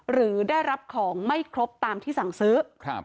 หรือได้รับของไม่ครบตามที่สั่งซื้อ